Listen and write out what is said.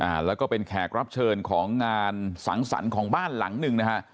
อ่าแล้วก็เป็นแขกรับเชิญของงานสังสรรค์ของบ้านหลังหนึ่งนะฮะ